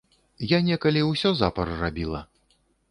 Я некалі ўсё запар рабіла.